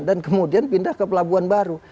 dan kemudian pindah ke pelabuhan baru